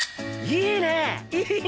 いいね！